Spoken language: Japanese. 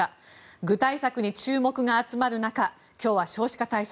具体策に注目が集まる中今日は少子化対策